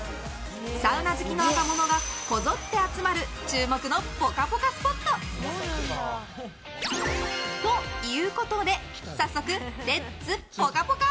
サウナ好きの若者がこぞって集まる注目のぽかぽかスポット！ということで早速、レッツぽかぽか！